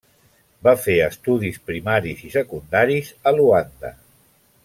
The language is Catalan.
Va fer estudis primaris i secundaris a Luanda.